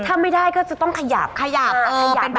ถ้าไม่ได้ก็จะต้องขยับขยับ